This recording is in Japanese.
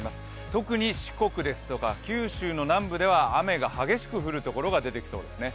特に四国ですとか九州の南部では雨が激しく降る所が出てきそうですね。